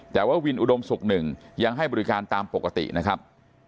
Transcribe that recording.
แต่ว่าวินอุดมศุกร์หนึ่งยังให้บริการตามปกตินะครับ